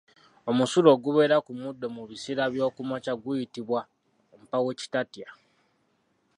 Omusulo ogubeera ku muddo mu biseera by'okumakya guyitibwa Mpaawokitatya.